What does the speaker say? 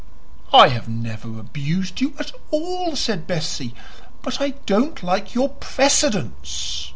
"I have never abused you at all," said Bessie; "but I don't like your PRECEDENCE."